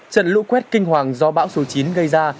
trận lũ quét kinh hoàng do bão số chín gây ra